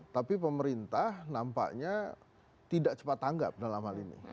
tapi pemerintah nampaknya tidak cepat tanggap dalam hal ini